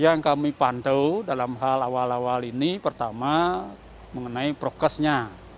yang kami pantau dalam hal awal awal ini pertama mengenai prokesnya